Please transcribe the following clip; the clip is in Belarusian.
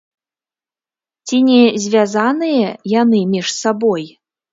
Ці не звязаныя яны між сабой?